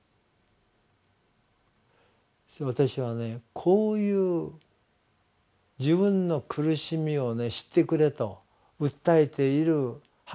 私はねこういう「自分の苦しみを知ってくれ」と訴えている激しい歌がね